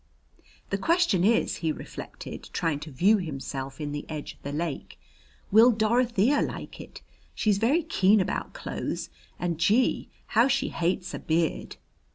"The question is," he reflected, trying to view himself in the edge of the lake: "Will Dorothea like it? She's very keen about clothes. And gee, how she hates a beard!"